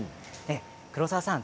黒沢さん